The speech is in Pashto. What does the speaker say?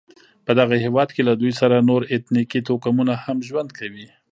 په دغه هېواد کې له دوی سره نور اتنیکي توکمونه هم ژوند کوي.